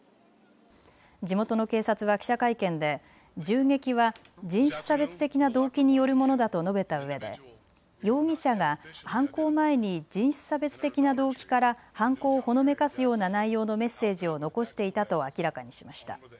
地元の警察は記者会見で銃撃は人種差別的な動機によるものだと述べたうえで容疑者が犯行前に人種差別的な動機から犯行をほのめかすような内容のメッセージを残していたと明らかにしました。